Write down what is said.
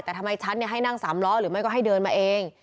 แต่ทำไมฉันให้นั่ง๓ล้อหรือไม่ก็ให้เดินมาเอง